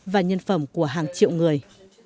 và nhân phẩm của hàng triệu người